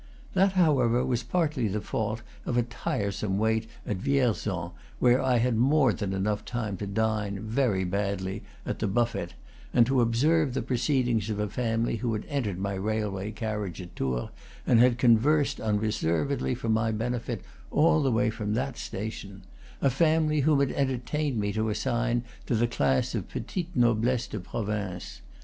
That, however, was partly the fault of a tire some wait at Vierzon, where I had more than enough time to dine, very badly, at the buffet, and to observe the proceedings of a family who had entered my rail way carriage at Tours and had conversed unreservedly, for my benefit, all the way from that station, a family whom it entertained me to assign to the class of petite noblesse de province.